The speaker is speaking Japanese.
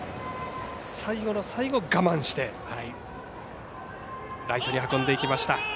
最後の最後、我慢してライトに運んでいきました。